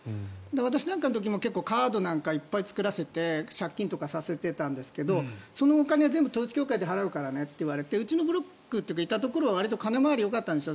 私の時もカードなんかをいっぱい作らせて借金とかさせてたんですがそのお金、全部統一教会が払うからねと言われてうちのブロックというかいたところはわりと金回りがよかったんです。